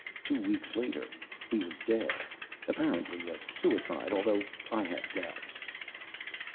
Two weeks later he was dead—apparently a suicide, although I have doubts."